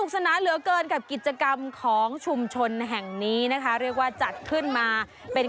ส่วน